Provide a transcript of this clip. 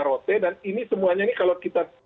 rote dan ini semuanya ini kalau kita